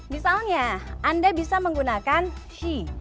misalnya anda bisa menggunakan shi